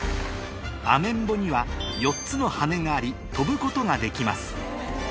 アメンボには４つの羽があり飛ぶことができます